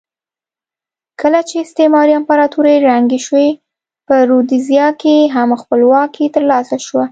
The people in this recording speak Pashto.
کله چې استعماري امپراتورۍ ړنګې شوې په رودزیا کې هم خپلواکي ترلاسه شوه.